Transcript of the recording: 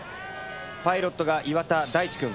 パイロットが岩田大地くん。